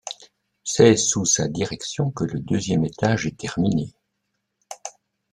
C'est sous sa direction que le deuxième étage est terminé.